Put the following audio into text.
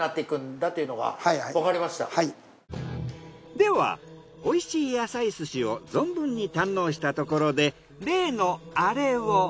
では美味しい野菜寿司を存分に堪能したところで例のアレを。